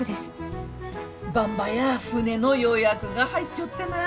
ばんばや船の予約が入っちょってな。